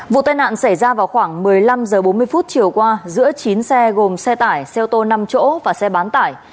vụ tai nạn xảy ra vào khoảng một mươi năm h bốn mươi chiều qua giữa chín xe gồm xe tải xe ô tô năm chỗ và xe bán tải